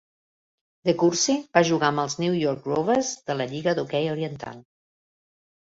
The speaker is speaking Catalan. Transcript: DeCourcy va jugar amb els New York Rovers de la Lliga d'Hoquei Oriental.